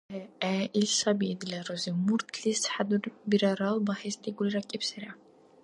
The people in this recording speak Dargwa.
ГӀе, гӀе, ил саби, дила рузи, муртлис хӀядурбирарал багьес дигули ракӀибсира.